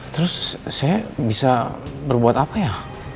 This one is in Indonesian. terus saya bisa berbuat apa ya